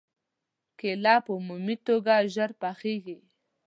کېله په عمومي توګه ژر پخېږي.